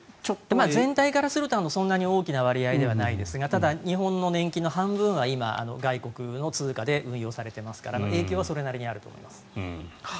全体からすると、そんなに大きな割合ではないですがただ、日本の年金の半分は今、外国の通貨で運用されていますから影響はそれなりにあると思います。